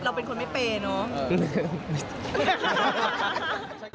เราเป็นคนไม่เปย์เนอะ